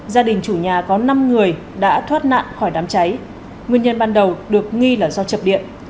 gia đình chủ nhà có năm người đã thoát nạn khỏi đám cháy nguyên nhân ban đầu được nghi là do chập điện